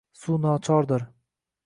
Suv nochordir